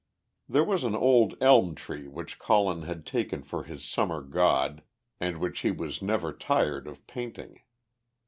There was an old elm tree which Colin had taken for his Summer god, and which he was never tired of painting.